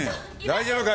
大丈夫か？